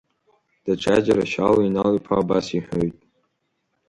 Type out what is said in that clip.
Даҽаџьара Шьалуа Инал-Иԥа абас иҳәоит…